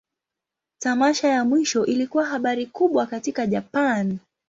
Tamasha ya mwisho ilikuwa habari kubwa katika Japan.